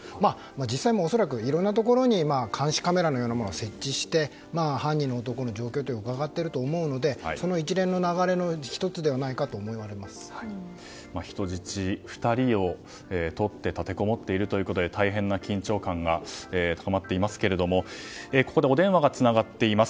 実際、恐らくいろんなところに監視カメラのようなものを設置して、犯人の男の状況をうかがっていると思うのでその一連の流れの人質２人をとって立てこもっているということで大変な緊張感が高まっていますけれどもここでお電話がつながっています。